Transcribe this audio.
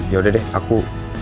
yaudah deh aku